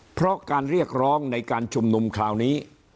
เพราะการเรียกร้องในการชุมนุมคราวนี้